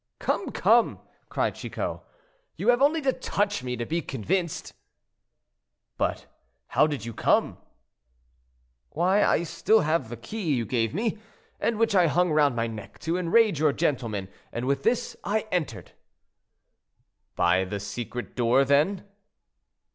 "Come, come," cried Chicot; "you have only to touch me to be convinced." "But how did you come?" "Why, I have still the key that you gave me, and which I hung round my neck to enrage your gentlemen, and with this I entered." "By the secret door, then?"